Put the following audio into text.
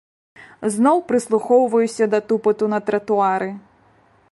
Зноў прыслухоўваюся да тупату на тратуары.